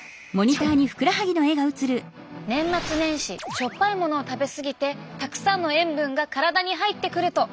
しょっぱいものを食べ過ぎてたくさんの塩分が体に入ってくると。